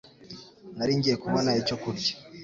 Nari ngiye kubona icyo kurya.